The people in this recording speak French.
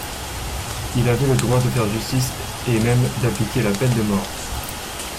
Il avait le droit de faire justice et même d'appliquer la peine de mort.